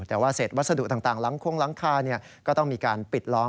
แต่ว่าเศษวัสดุต่างหลังคงหลังคาก็ต้องมีการปิดล้อม